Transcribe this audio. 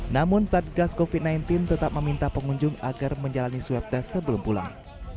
namun satgas covid sembilan belas tetap meminta pengunjung agar menjalani swab test sebelum pulang